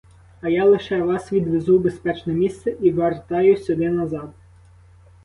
А я лише вас відвезу в безпечне місце і вертаю сюди назад.